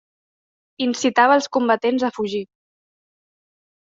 Incitava els combatents a fugir.